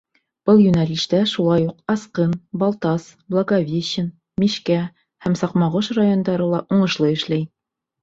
Был йүнәлештә шулай уҡ Асҡын, Балтас, Благовещен, Мишкә һәм Саҡмағош райондары ла уңышлы эшләй.